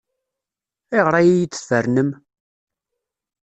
Ayɣer ay iyi-d-tfernem?